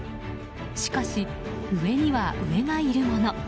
しかし、上には上がいるもの。